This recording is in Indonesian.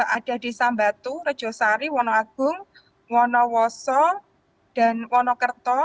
ada desa batu rejo sari wono agung wono woso dan wono kerto